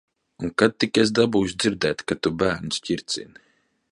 Un kad tik es dabūšu dzirdēt, ka tu bērnus ķircini.